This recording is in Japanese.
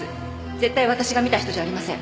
絶対私が見た人じゃありません。